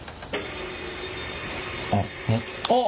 あっ。